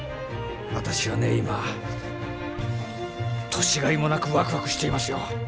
私はね今年がいもなくワクワクしていますよ。